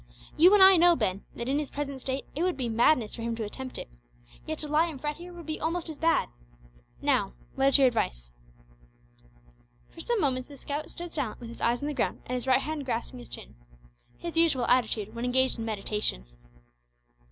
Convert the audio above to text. You and I know, Ben, that in his present state it would be madness for him to attempt it; yet to lie and fret here would be almost as bad. Now, what is your advice?" For some moments the scout stood silent with his eyes on the ground and his right hand grasping his chin his usual attitude when engaged in meditation.